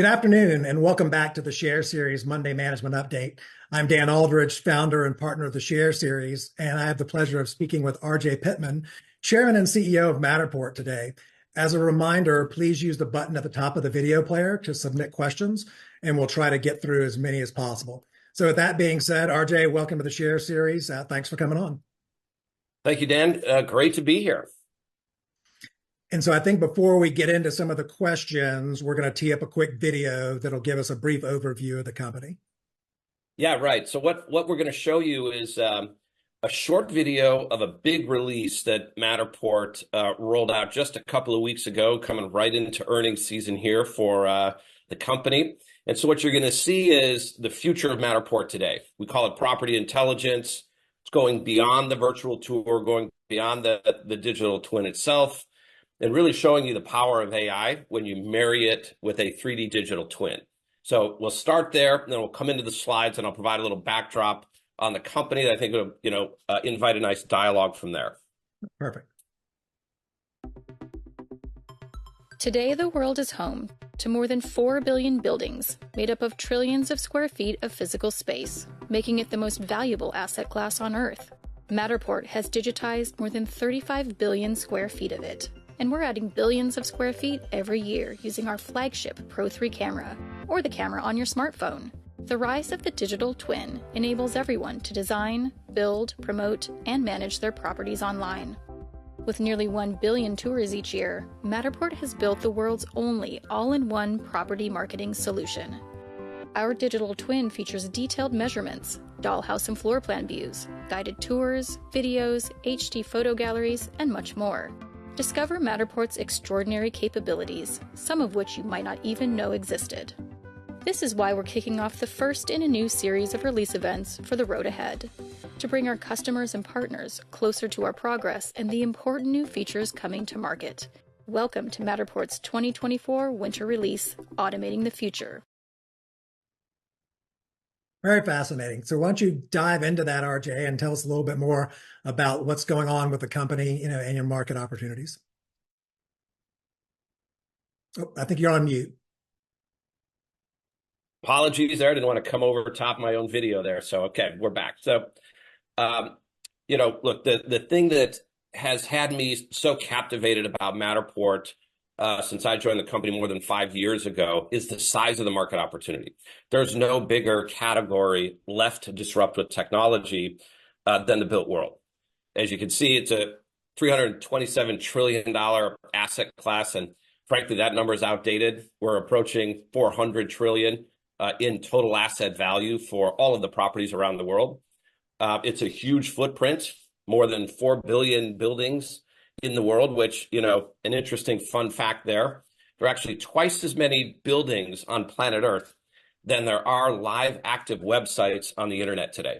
Good afternoon and welcome back to the Share Series Monday Management Update. I'm Dan Aldridge, founder and partner of the Share Series, and I have the pleasure of speaking with RJ Pittman, Chairman and CEO of Matterport today. As a reminder, please use the button at the top of the video player to submit questions, and we'll try to get through as many as possible. So with that being said, RJ, welcome to the Share Series. Thanks for coming on. Thank you, Dan. Great to be here. I think before we get into some of the questions, we're going to tee up a quick video that'll give us a brief overview of the company. Yeah, right. So what we're going to show you is a short video of a big release that Matterport rolled out just a couple of weeks ago, coming right into earnings season here for the company. And so what you're going to see is the future of Matterport today. We call it Property Intelligence. It's going beyond the virtual tour, going beyond the digital twin itself, and really showing you the power of AI when you marry it with a 3D digital twin. So we'll start there, and then we'll come into the slides, and I'll provide a little backdrop on the company that I think would invite a nice dialogue from there. Perfect. Today, the world is home to more than four billion buildings made up of trillions of sq ft of physical space, making it the most valuable asset class on Earth. Matterport has digitized more than 35 billion sq ft of it, and we're adding billions of sq ft every year using our flagship Pro3 camera, or the camera on your smartphone. The rise of the digital twin enables everyone to design, build, promote, and manage their properties online. With nearly one billion tours each year, Matterport has built the world's only all-in-one property marketing solution. Our digital twin features detailed measurements, dollhouse and floor plan views, guided tours, videos, HD photo galleries, and much more. Discover Matterport's extraordinary capabilities, some of which you might not even know existed. This is why we're kicking off the first in a new series of release events for the road ahead, to bring our customers and partners closer to our progress and the important new features coming to market. Welcome to Matterport's 2024 winter release, Automating the Future. Very fascinating. So why don't you dive into that, RJ, and tell us a little bit more about what's going on with the company and your market opportunities? Oh, I think you're on mute. Apologies there. I didn't want to come over top my own video there. Okay, we're back. You know, look, the thing that has had me so captivated about Matterport since I joined the company more than five years ago is the size of the market opportunity. There's no bigger category left to disrupt with technology than the built world. As you can see, it's a $327 trillion asset class, and frankly, that number is outdated. We're approaching $400 trillion in total asset value for all of the properties around the world. It's a huge footprint, more than 4 billion buildings in the world, which, you know, an interesting fun fact there, there are actually twice as many buildings on planet Earth than there are live active websites on the internet today.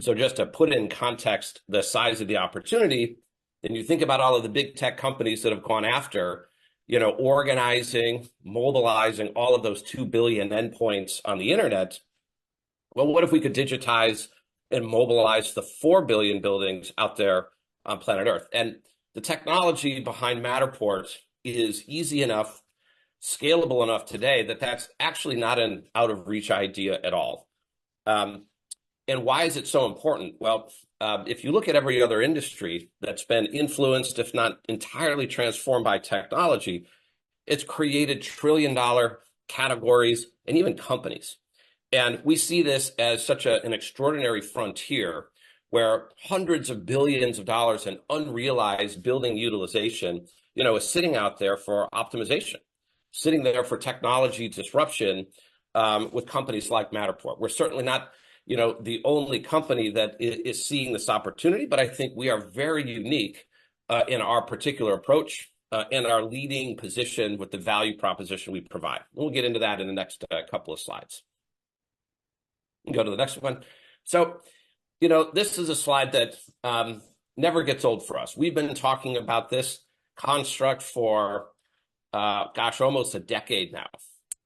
So just to put in context the size of the opportunity, then you think about all of the big tech companies that have gone after, you know, organizing, mobilizing all of those 2 billion endpoints on the internet. Well, what if we could digitize and mobilize the 4 billion buildings out there on planet Earth? The technology behind Matterport is easy enough, scalable enough today that that's actually not an out-of-reach idea at all. Why is it so important? Well, if you look at every other industry that's been influenced, if not entirely transformed by technology, it's created trillion-dollar categories and even companies. We see this as such an extraordinary frontier where hundreds of billions of dollars in unrealized building utilization, you know, is sitting out there for optimization, sitting there for technology disruption with companies like Matterport. We're certainly not, you know, the only company that is seeing this opportunity, but I think we are very unique in our particular approach and our leading position with the value proposition we provide. We'll get into that in the next couple of slides. Go to the next one. So, you know, this is a slide that never gets old for us. We've been talking about this construct for, gosh, almost a decade now.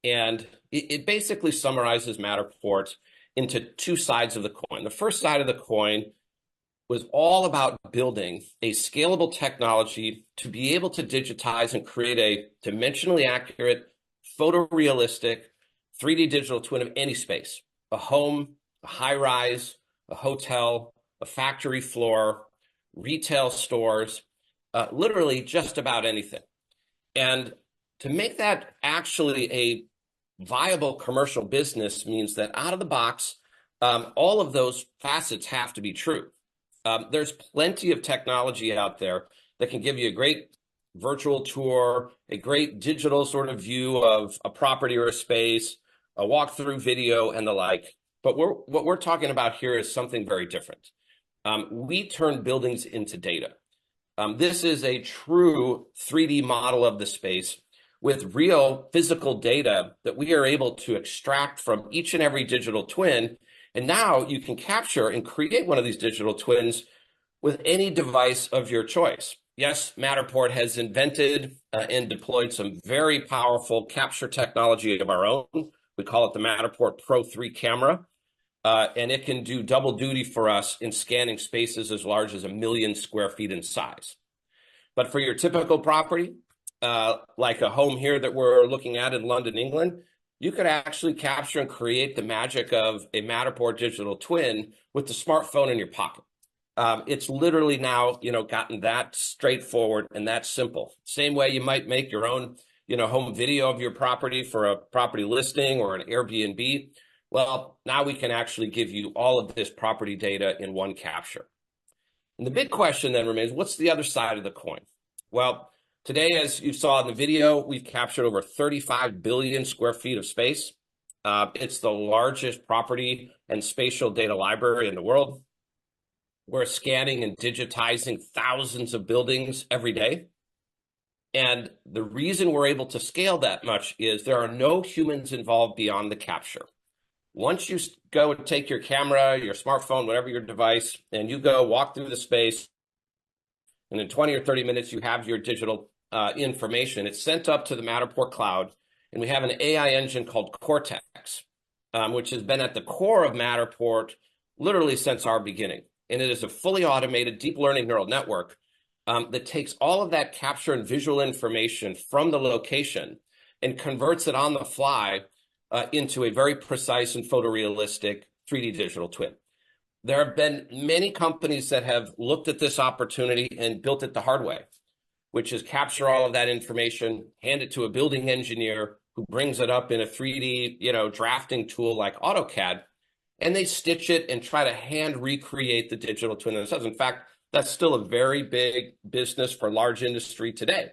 It basically summarizes Matterport into two sides of the coin. The first side of the coin was all about building a scalable technology to be able to digitize and create a dimensionally accurate, photorealistic, 3D digital twin of any space: a home, a high-rise, a hotel, a factory floor, retail stores, literally just about anything. To make that actually a viable commercial business means that out of the box, all of those facets have to be true. There's plenty of technology out there that can give you a great virtual tour, a great digital sort of view of a property or a space, a walkthrough video, and the like. But what we're talking about here is something very different. We turn buildings into data. This is a true 3D model of the space with real physical data that we are able to extract from each and every digital twin. And now you can capture and create one of these digital twins with any device of your choice. Yes, Matterport has invented and deployed some very powerful capture technology of our own. We call it the Matterport Pro3 camera. It can do double duty for us in scanning spaces as large as 1 million sq ft in size. But for your typical property, like a home here that we're looking at in London, England, you could actually capture and create the magic of a Matterport digital twin with the smartphone in your pocket. It's literally now, you know, gotten that straightforward and that simple. Same way you might make your own, you know, home video of your property for a property listing or an Airbnb. Well, now we can actually give you all of this property data in one capture. The big question then remains, what's the other side of the coin? Well, today, as you saw in the video, we've captured over 35 billion sq ft of space. It's the largest property and spatial data library in the world. We're scanning and digitizing thousands of buildings every day. The reason we're able to scale that much is there are no humans involved beyond the capture. Once you go and take your camera, your smartphone, whatever your device, and you go walk through the space, and in 20 or 30 minutes, you have your digital information. It's sent up to the Matterport Cloud, and we have an AI engine called Cortex, which has been at the core of Matterport literally since our beginning. It is a fully automated deep learning neural network that takes all of that capture and visual information from the location and converts it on the fly into a very precise and photorealistic 3D digital twin. There have been many companies that have looked at this opportunity and built it the hard way, which is capture all of that information, hand it to a building engineer who brings it up in a 3D, you know, drafting tool like AutoCAD, and they stitch it and try to hand recreate the digital twin themselves. In fact, that's still a very big business for large industry today.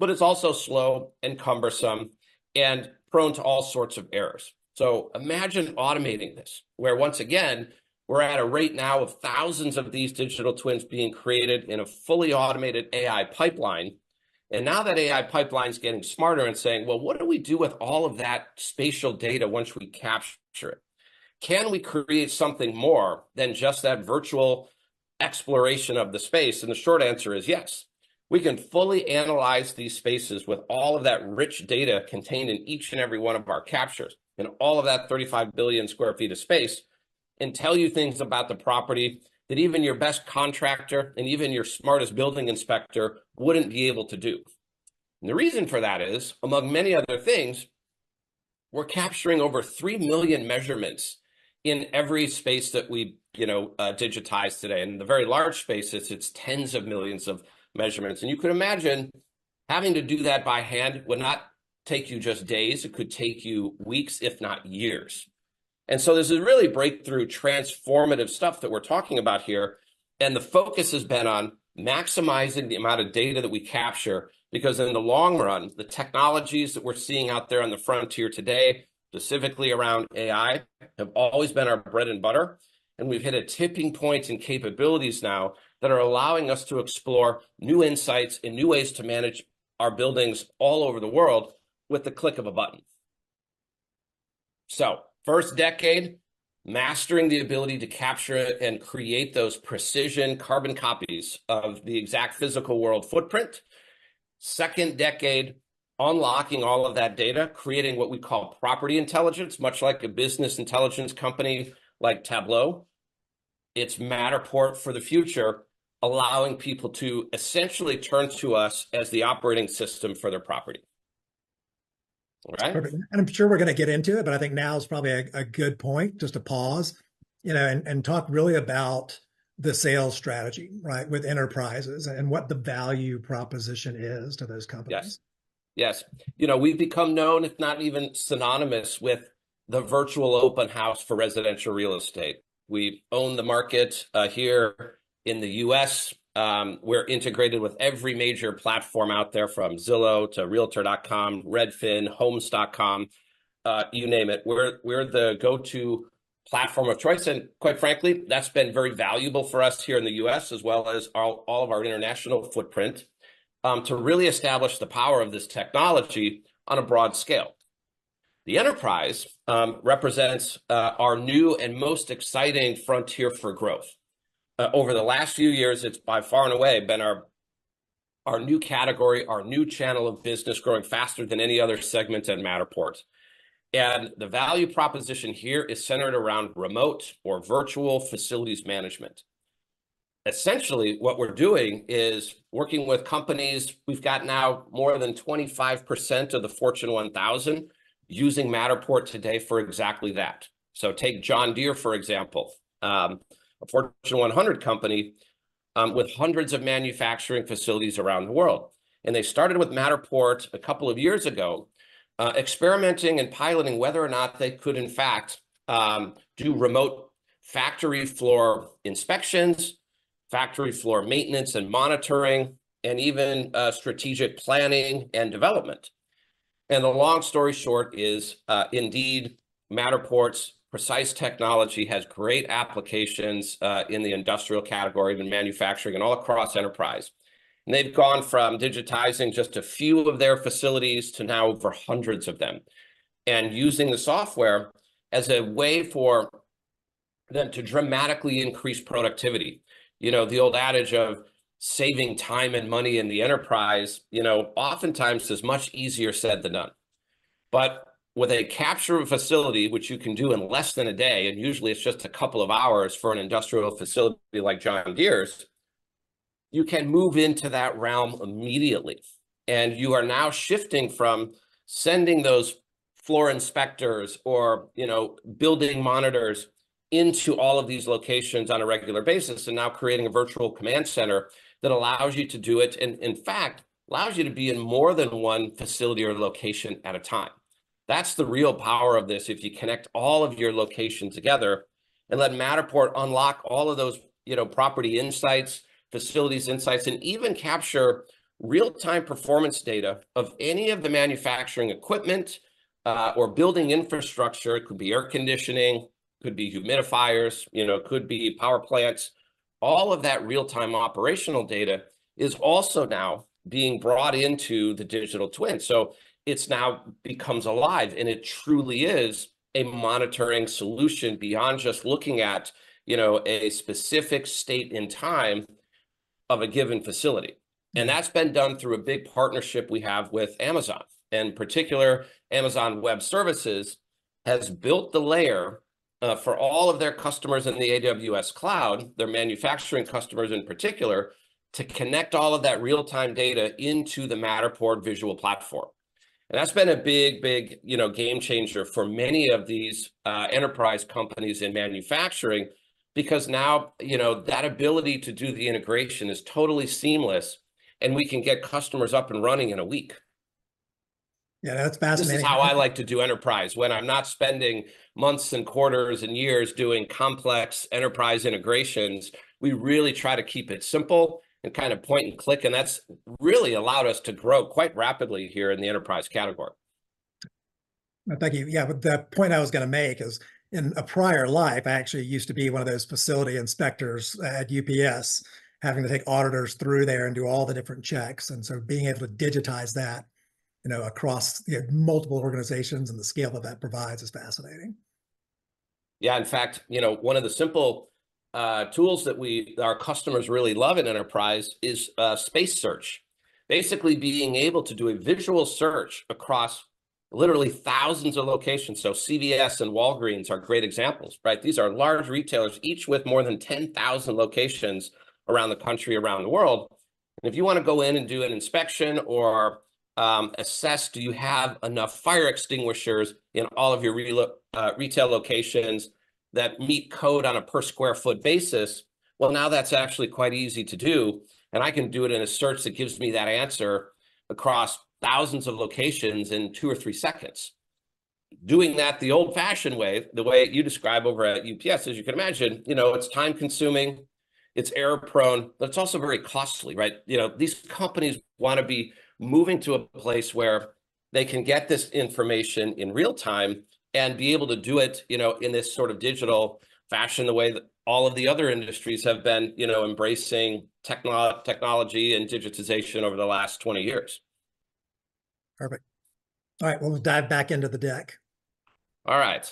But it's also slow and cumbersome and prone to all sorts of errors. So imagine automating this, where once again, we're at a rate now of thousands of these digital twins being created in a fully automated AI pipeline. And now that AI pipeline's getting smarter and saying, well, what do we do with all of that spatial data once we capture it? Can we create something more than just that virtual exploration of the space? And the short answer is yes. We can fully analyze these spaces with all of that rich data contained in each and every one of our captures in all of that 35 billion sq ft of space and tell you things about the property that even your best contractor and even your smartest building inspector wouldn't be able to do. The reason for that is, among many other things, we're capturing over 3 million measurements in every space that we, you know, digitize today. In the very large spaces, it's tens of millions of measurements. You could imagine having to do that by hand would not take you just days. It could take you weeks, if not years. So there's a really breakthrough, transformative stuff that we're talking about here. The focus has been on maximizing the amount of data that we capture because in the long run, the technologies that we're seeing out there on the frontier today, specifically around AI, have always been our bread and butter. We've hit a tipping point in capabilities now that are allowing us to explore new insights and new ways to manage our buildings all over the world with the click of a button. First decade, mastering the ability to capture and create those precision carbon copies of the exact physical world footprint. Second decade, unlocking all of that data, creating what we call Property Intelligence, much like a business intelligence company like Tableau. It's Matterport for the future, allowing people to essentially turn to us as the operating system for their property. All right? Perfect. I'm sure we're going to get into it, but I think now is probably a good point, just to pause, you know, and talk really about the sales strategy, right, with enterprises and what the value proposition is to those companies. Yes. Yes. You know, we've become known, if not even synonymous, with the virtual open house for residential real estate. We own the market here in the U.S. We're integrated with every major platform out there, from Zillow to Realtor.com, Redfin, Homes.com, you name it. We're the go-to platform of choice. And quite frankly, that's been very valuable for us here in the U.S., as well as all of our international footprint, to really establish the power of this technology on a broad scale. The enterprise represents our new and most exciting frontier for growth. Over the last few years, it's by far and away been our new category, our new channel of business growing faster than any other segment at Matterport. And the value proposition here is centered around remote or virtual facilities management. Essentially, what we're doing is working with companies. We've got now more than 25% of the Fortune 1000 using Matterport today for exactly that. So take John Deere, for example, a Fortune 100 company with hundreds of manufacturing facilities around the world. They started with Matterport a couple of years ago, experimenting and piloting whether or not they could, in fact, do remote factory floor inspections, factory floor maintenance and monitoring, and even strategic planning and development. The long story short is, indeed, Matterport's precise technology has great applications in the industrial category, even manufacturing, and all across enterprise. They've gone from digitizing just a few of their facilities to now over hundreds of them and using the software as a way for them to dramatically increase productivity. You know, the old adage of saving time and money in the enterprise, you know, oftentimes is much easier said than done. But with a capture facility, which you can do in less than a day, and usually it's just a couple of hours for an industrial facility like John Deere's, you can move into that realm immediately. And you are now shifting from sending those floor inspectors or, you know, building monitors into all of these locations on a regular basis to now creating a virtual command center that allows you to do it and, in fact, allows you to be in more than one facility or location at a time. That's the real power of this. If you connect all of your locations together and let Matterport unlock all of those, you know, property insights, facilities insights, and even capture real-time performance data of any of the manufacturing equipment or building infrastructure. It could be air conditioning, could be humidifiers, you know, could be power plants. All of that real-time operational data is also now being brought into the digital twin. So it now becomes alive. And it truly is a monitoring solution beyond just looking at, you know, a specific state in time of a given facility. And that's been done through a big partnership we have with Amazon. And in particular, Amazon Web Services has built the layer for all of their customers in the AWS Cloud, their manufacturing customers in particular, to connect all of that real-time data into the Matterport visual platform. And that's been a big, big, you know, game changer for many of these enterprise companies in manufacturing because now, you know, that ability to do the integration is totally seamless. And we can get customers up and running in a week. Yeah, that's fascinating. This is how I like to do enterprise. When I'm not spending months and quarters and years doing complex enterprise integrations, we really try to keep it simple and kind of point and click. That's really allowed us to grow quite rapidly here in the enterprise category. Thank you. Yeah, but the point I was going to make is in a prior life, I actually used to be one of those facility inspectors at UPS, having to take auditors through there and do all the different checks. And so being able to digitize that, you know, across, you know, multiple organizations and the scale that that provides is fascinating. Yeah. In fact, you know, one of the simple tools that our customers really love in enterprise is Space Search, basically being able to do a visual search across literally thousands of locations. So CVS and Walgreens are great examples, right? These are large retailers, each with more than 10,000 locations around the country, around the world. And if you want to go in and do an inspection or assess, do you have enough fire extinguishers in all of your retail locations that meet code on a per square foot basis? Well, now that's actually quite easy to do. And I can do it in a search that gives me that answer across thousands of locations in two or three seconds. Doing that the old-fashioned way, the way you describe over at UPS, as you can imagine, you know, it's time-consuming, it's error-prone, but it's also very costly, right? You know, these companies want to be moving to a place where they can get this information in real time and be able to do it, you know, in this sort of digital fashion, the way that all of the other industries have been, you know, embracing technology and digitization over the last 20 years. Perfect. All right. Well, we'll dive back into the deck. All right.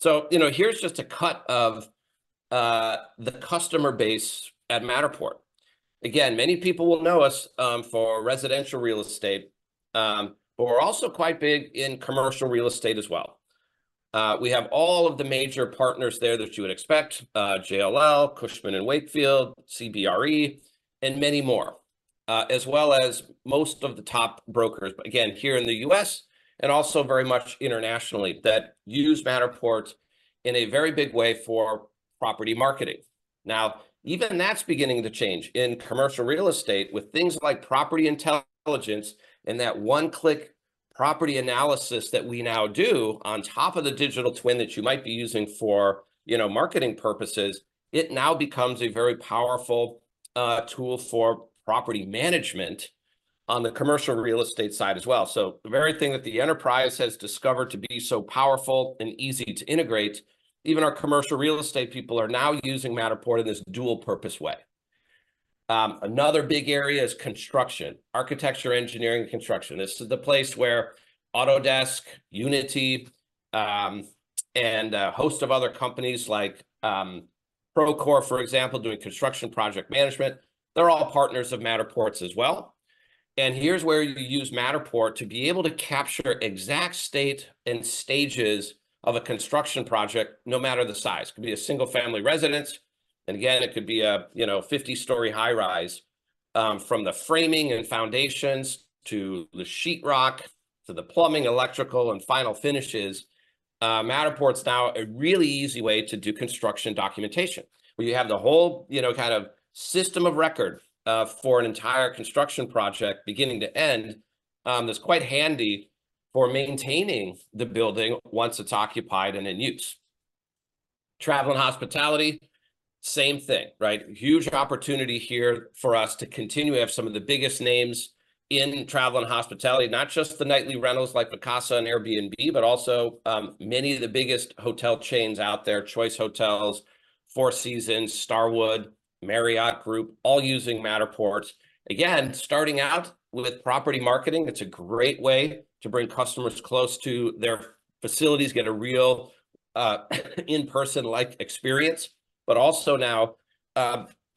So, you know, here's just a cut of the customer base at Matterport. Again, many people will know us for residential real estate, but we're also quite big in commercial real estate as well. We have all of the major partners there that you would expect: JLL, Cushman & Wakefield, CBRE, and many more, as well as most of the top brokers, again, here in the U.S. and also very much internationally that use Matterport in a very big way for property marketing. Now, even that's beginning to change in commercial real estate with things like Property Intelligence and that one-click property analysis that we now do on top of the digital twin that you might be using for, you know, marketing purposes. It now becomes a very powerful tool for property management on the commercial real estate side as well. So the very thing that the enterprise has discovered to be so powerful and easy to integrate, even our commercial real estate people are now using Matterport in this dual-purpose way. Another big area is construction, architecture, engineering, and construction. This is the place where Autodesk, Unity, and a host of other companies like Procore, for example, doing construction project management. They're all partners of Matterport's as well. And here's where you use Matterport to be able to capture exact state and stages of a construction project, no matter the size. It could be a single-family residence. And again, it could be a, you know, 50-story high rise, from the framing and foundations to the sheetrock to the plumbing, electrical, and final finishes. Matterport's now a really easy way to do construction documentation where you have the whole, you know, kind of system of record for an entire construction project beginning to end. That's quite handy for maintaining the building once it's occupied and in use. Travel and hospitality, same thing, right? Huge opportunity here for us to continue. We have some of the biggest names in travel and hospitality, not just the nightly rentals like Vacasa and Airbnb, but also many of the biggest hotel chains out there: Choice Hotels, Four Seasons, Starwood, Marriott Group, all using Matterport's. Again, starting out with property marketing, it's a great way to bring customers close to their facilities, get a real in-person-like experience. But also now,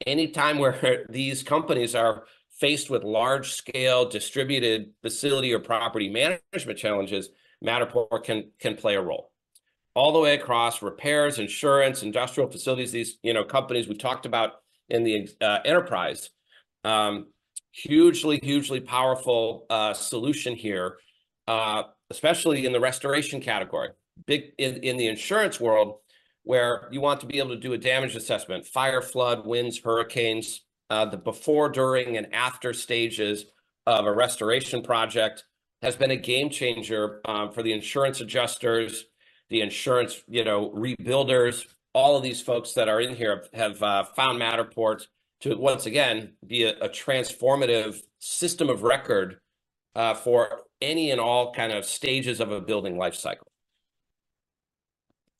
anytime where these companies are faced with large-scale distributed facility or property management challenges, Matterport can play a role all the way across repairs, insurance, industrial facilities. These, you know, companies we've talked about in the enterprise, hugely, hugely powerful solution here, especially in the restoration category. Big in the insurance world where you want to be able to do a damage assessment, fire, flood, winds, hurricanes, the before, during, and after stages of a restoration project has been a game changer for the insurance adjusters, the insurance, you know, rebuilders. All of these folks that are in here have found Matterport to, once again, be a transformative system of record for any and all kind of stages of a building lifecycle.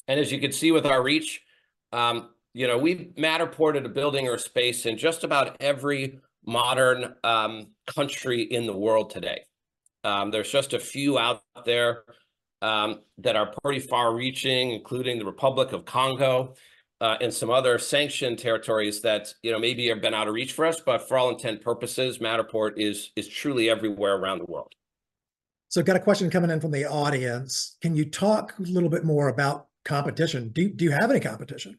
And as you can see with our reach, you know, we've Matterported a building or a space in just about every modern country in the world today. There's just a few out there that are pretty far-reaching, including the Republic of Congo and some other sanctioned territories that, you know, maybe have been out of reach for us. But for all intents and purposes, Matterport is truly everywhere around the world. I've got a question coming in from the audience. Can you talk a little bit more about competition? Do you have any competition?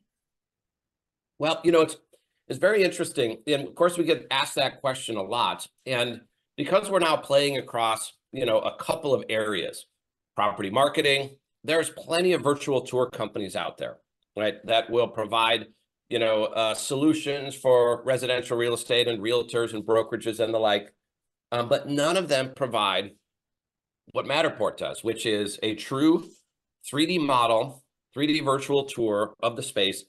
Well, you know, it's very interesting. Of course, we get asked that question a lot. And because we're now playing across, you know, a couple of areas, property marketing, there's plenty of virtual tour companies out there, right, that will provide, you know, solutions for residential real estate and realtors and brokerages and the like. But none of them provide what Matterport does, which is a true 3D model, 3D virtual tour of the space,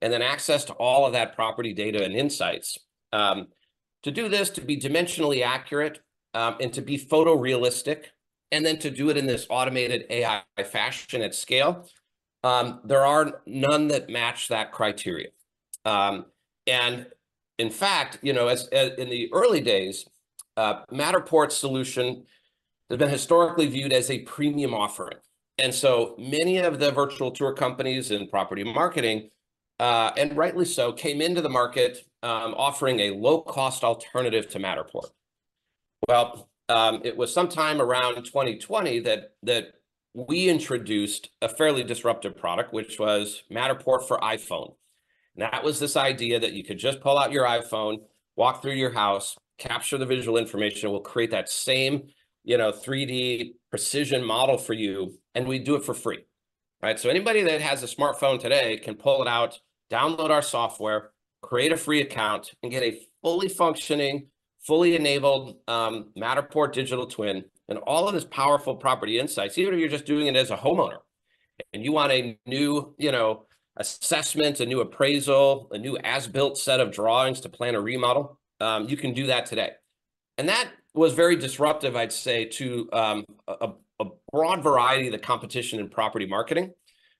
and then access to all of that property data and insights. To do this, to be dimensionally accurate and to be photorealistic, and then to do it in this automated AI fashion at scale, there are none that match that criteria. And in fact, you know, in the early days, Matterport's solution has been historically viewed as a premium offering. And so many of the virtual tour companies in property marketing, and rightly so, came into the market offering a low-cost alternative to Matterport. Well, it was sometime around 2020 that we introduced a fairly disruptive product, which was Matterport for iPhone. And that was this idea that you could just pull out your iPhone, walk through your house, capture the visual information. It will create that same, you know, 3D precision model for you. And we do it for free, right? Anybody that has a smartphone today can pull it out, download our software, create a free account, and get a fully functioning, fully enabled Matterport digital twin and all of this powerful property insights, even if you're just doing it as a homeowner and you want a new, you know, assessment, a new appraisal, a new as-built set of drawings to plan a remodel, you can do that today. That was very disruptive, I'd say, to a broad variety of the competition in property marketing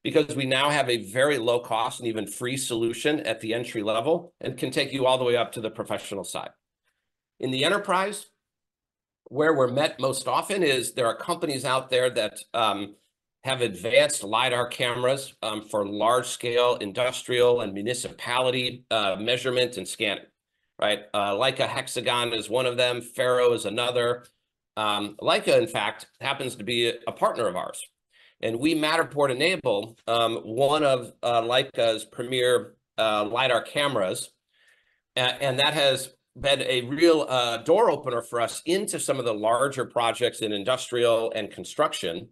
because we now have a very low-cost and even free solution at the entry level and can take you all the way up to the professional side. In the enterprise, where we're met most often is there are companies out there that have advanced LiDAR cameras for large-scale industrial and municipality measurement and scanning, right? Leica Hexagon is one of them. FARO is another. Leica, in fact, happens to be a partner of ours. And we, Matterport, enable one of Leica's premier LiDAR cameras. And that has been a real door opener for us into some of the larger projects in industrial and construction.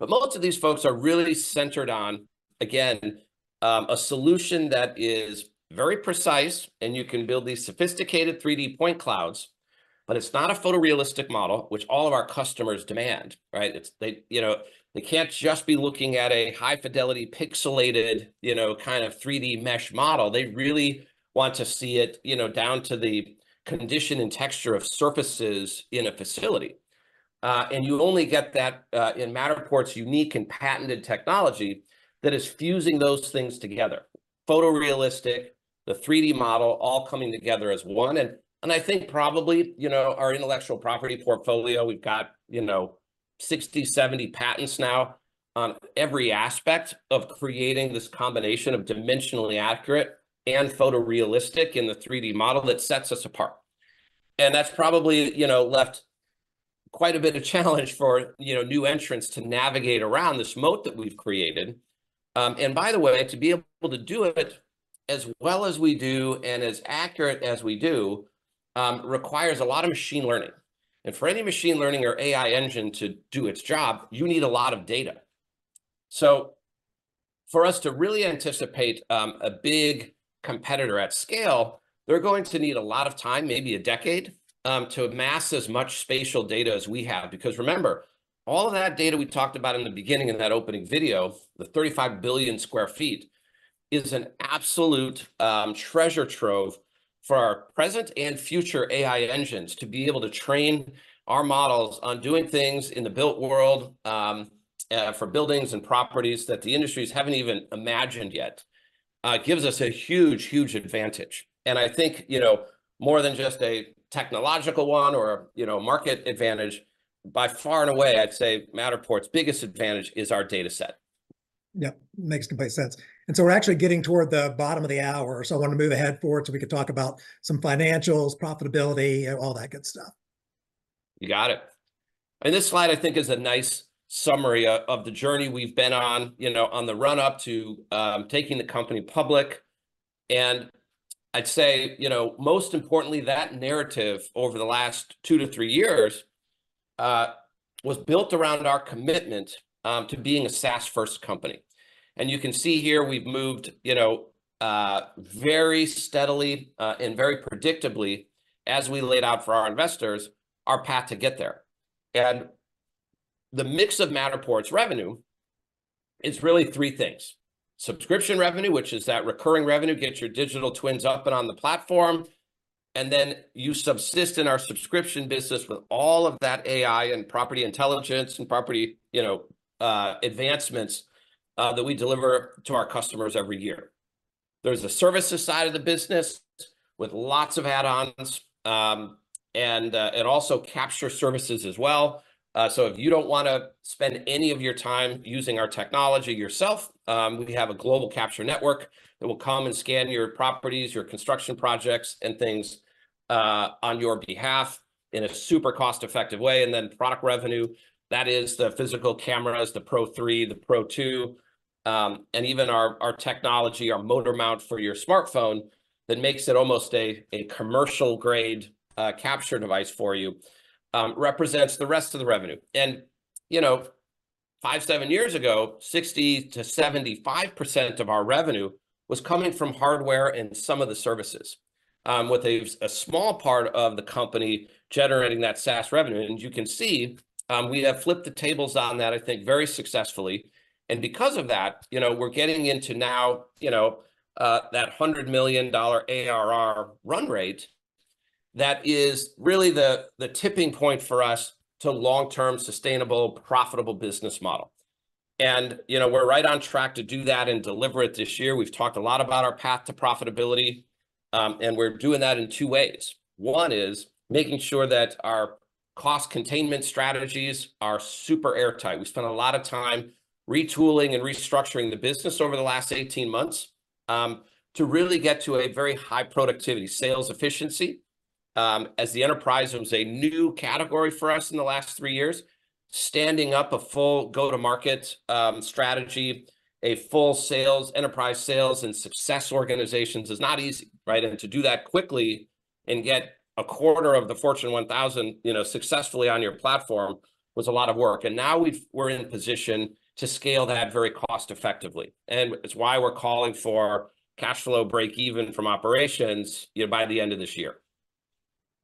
But most of these folks are really centered on, again, a solution that is very precise. And you can build these sophisticated 3D point clouds, but it's not a photorealistic model, which all of our customers demand, right? It's, they, you know, they can't just be looking at a high-fidelity pixelated, you know, kind of 3D mesh model. They really want to see it, you know, down to the condition and texture of surfaces in a facility. And you only get that in Matterport's unique and patented technology that is fusing those things together, photorealistic, the 3D model all coming together as one. I think probably, you know, our intellectual property portfolio, we've got, you know, 60-70 patents now on every aspect of creating this combination of dimensionally accurate and photorealistic in the 3D model that sets us apart. That's probably, you know, left quite a bit of challenge for, you know, new entrants to navigate around this moat that we've created. By the way, to be able to do it as well as we do and as accurate as we do requires a lot of machine learning. For any machine learning or AI engine to do its job, you need a lot of data. For us to really anticipate a big competitor at scale, they're going to need a lot of time, maybe a decade, to amass as much spatial data as we have. Because remember, all of that data we talked about in the beginning in that opening video, the 35 billion sq ft, is an absolute treasure trove for our present and future AI engines to be able to train our models on doing things in the built world for buildings and properties that the industries haven't even imagined yet. It gives us a huge, huge advantage. And I think, you know, more than just a technological one or a, you know, market advantage, by far and away, I'd say Matterport's biggest advantage is our data set. Yep. Makes complete sense. So we're actually getting toward the bottom of the hour. I want to move ahead forward so we could talk about some financials, profitability, all that good stuff. You got it. And this slide, I think, is a nice summary of the journey we've been on, you know, on the run-up to taking the company public. And I'd say, you know, most importantly, that narrative over the last two to three years was built around our commitment to being a SaaS-first company. And you can see here we've moved, you know, very steadily and very predictably, as we laid out for our investors, our path to get there. And the mix of Matterport's revenue is really three things: subscription revenue, which is that recurring revenue gets your digital twins up and on the platform. And then you subscribe in our subscription business with all of that AI and Property Intelligence and property, you know, advancements that we deliver to our customers every year. There's the services side of the business with lots of add-ons. It also captures services as well. So if you don't want to spend any of your time using our technology yourself, we have a global capture network that will come and scan your properties, your construction projects, and things on your behalf in a super cost-effective way. Then product revenue, that is the physical cameras, the Pro3, the Pro2, and even our technology, our motor mount for your smartphone that makes it almost a commercial-grade capture device for you, represents the rest of the revenue. And, you know, five to seven years ago, 60%-75% of our revenue was coming from hardware and some of the services, with a small part of the company generating that SaaS revenue. And you can see we have flipped the tables on that, I think, very successfully. Because of that, you know, we're getting into now, you know, that $100 million ARR run rate. That is really the tipping point for us to long-term, sustainable, profitable business model. You know, we're right on track to do that and deliver it this year. We've talked a lot about our path to profitability. We're doing that in two ways. One is making sure that our cost containment strategies are super airtight. We spent a lot of time retooling and restructuring the business over the last 18 months to really get to a very high productivity, sales efficiency. As the enterprise was a new category for us in the last three years, standing up a full go-to-market strategy, a full sales, enterprise sales, and success organizations is not easy, right? To do that quickly and get a quarter of the Fortune 1000, you know, successfully on your platform was a lot of work. Now we're in position to scale that very cost-effectively. It's why we're calling for cash flow break-even from operations, you know, by the end of this year.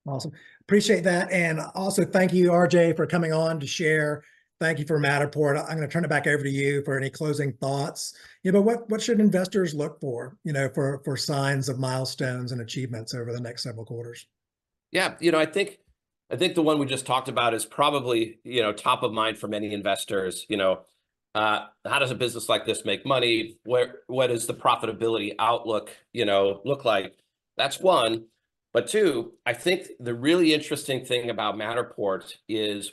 Awesome. Appreciate that. Also thank you, R.J., for coming on to share. Thank you for Matterport. I'm going to turn it back over to you for any closing thoughts. You know, but what should investors look for, you know, for signs of milestones and achievements over the next several quarters? Yeah. You know, I think the one we just talked about is probably, you know, top of mind for many investors, you know, how does a business like this make money? What is the profitability outlook, you know, look like? That's one. But two, I think the really interesting thing about Matterport is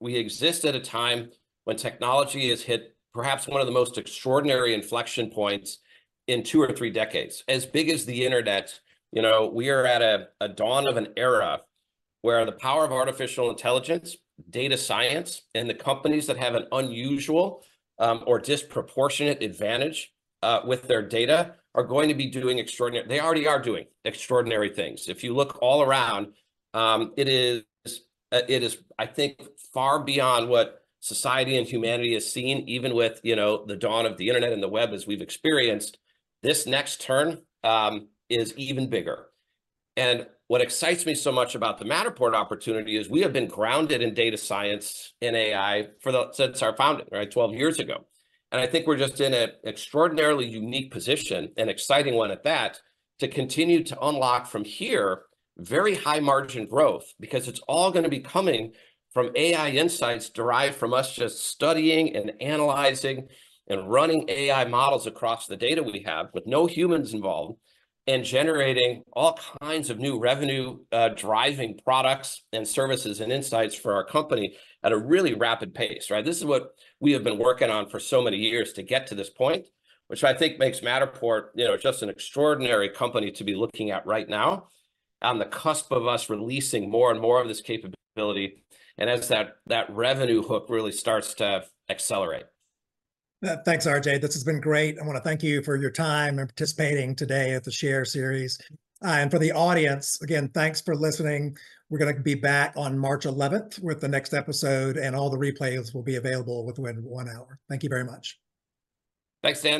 we exist at a time when technology has hit perhaps one of the most extraordinary inflection points in two or three decades. As big as the internet, you know, we are at a dawn of an era where the power of artificial intelligence, data science, and the companies that have an unusual or disproportionate advantage with their data are going to be doing extraordinary. They already are doing extraordinary things. If you look all around, it is, I think, far beyond what society and humanity has seen, even with, you know, the dawn of the internet and the web as we've experienced, this next turn is even bigger. And what excites me so much about the Matterport opportunity is we have been grounded in data science and AI since our founding, right, 12 years ago. And I think we're just in an extraordinarily unique position, an exciting one at that, to continue to unlock from here very high-margin growth because it's all going to be coming from AI insights derived from us just studying and analyzing and running AI models across the data we have with no humans involved and generating all kinds of new revenue-driving products and services and insights for our company at a really rapid pace, right? This is what we have been working on for so many years to get to this point, which I think makes Matterport, you know, just an extraordinary company to be looking at right now on the cusp of us releasing more and more of this capability and as that revenue hook really starts to accelerate. Thanks, R.J. This has been great. I want to thank you for your time and participating today at the Share Series. And for the audience, again, thanks for listening. We're going to be back on March 11th with the next episode, and all the replays will be available within one hour. Thank you very much. Thanks, Dan.